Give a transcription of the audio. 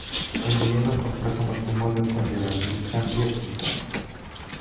Emiliano contrajo matrimonio con Geraldine Candia Quintana.